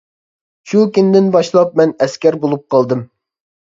شۇ كۈندىن باشلاپ مەن ئەسكەر بولۇپ قالدىم.